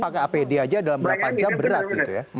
pakai apd aja dalam berapa jam berat gitu ya